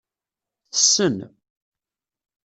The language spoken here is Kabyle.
Tessen.